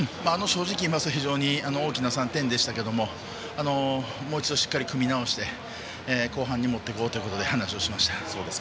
正直言いますと大きな３点でしたけどももう一度、しっかり組み直して後半に持っていこうということで話をしました。